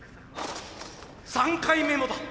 ３回目もだ。